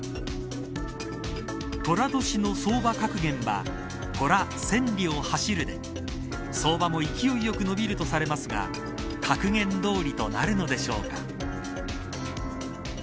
寅年の相場格言は寅千里を走るで相場も勢いよく伸びるとされますが格言どおりとなるのでしょうか。